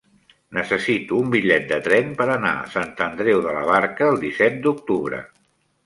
Necessito un bitllet de tren per anar a Sant Andreu de la Barca el disset d'octubre.